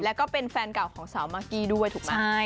แล้วก็เป็นแฟนเก่าของสาวมากกี้ด้วยถูกไหม